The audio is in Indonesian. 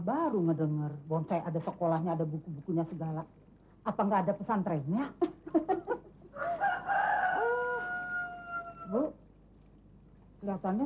baru ngedenger bonsai ada sekolahnya ada buku bukunya segala apa enggak ada pesan trennya